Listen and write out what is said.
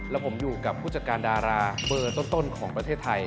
แล้วผมอยู่กับผู้จัดการดาราเบอร์ต้นของประเทศไทย